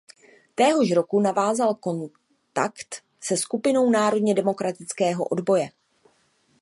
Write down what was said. Téhož roku navázal kontakt se skupinou národně demokratického odboje.